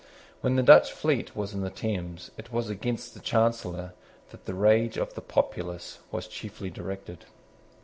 When the Dutch fleet was in the Thames, it was against the Chancellor that the rage of the populace was chiefly directed.